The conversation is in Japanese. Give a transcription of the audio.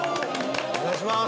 ◆お願いします。